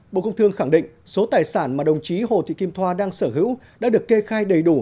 bộ công thương khẳng định số tài sản mà đồng chí hồ thị kim thoa đang sở hữu đã được kê khai đầy đủ